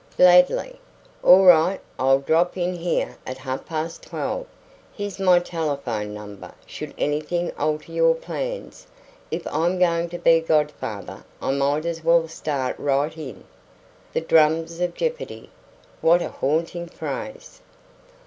"Gladly." "All right. I'll drop in here at half after twelve. Here's my telephone number, should anything alter your plans. If I'm going to be godfather I might as well start right in." "The drums of jeopardy; what a haunting phrase!"